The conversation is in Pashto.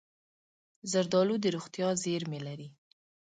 زردالو د روغتیا زېرمې لري.